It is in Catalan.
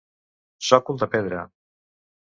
Sòcol de pedra.